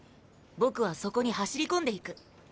僕はそこに走り込んでいく。